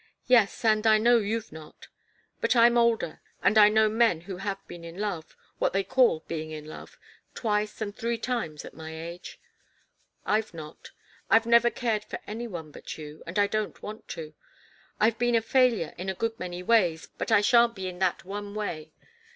"Yes and I know you've not. But I'm older, and I know men who have been in love what they call being in love twice and three times at my age. I've not. I've never cared for any one but you, and I don't want to. I've been a failure in a good many ways, but I shan't be in that one way.